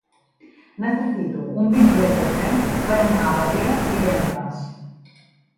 Necessito un bitllet de tren per anar a Batea divendres.